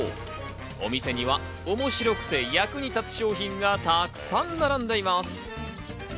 お店には面白くて役に立つ商品がたくさん並んでいます。